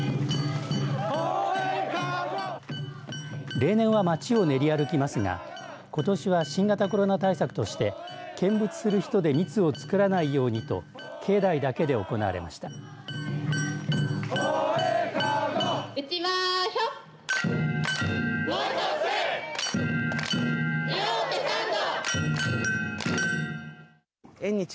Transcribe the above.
例年は街を練り歩きますがことしは新型コロナ対策として見物する人で密を作らないようにと境内だけで行われました。